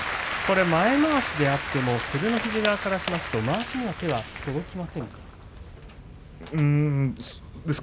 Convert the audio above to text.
前まわしであっても照ノ富士側からするとまわしには手が届きませんか？